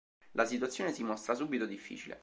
La situazione si mostra subito difficile.